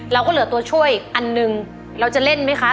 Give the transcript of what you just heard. เราก็เหลือตัวช่วยอันหนึ่งเราจะเล่นไหมคะ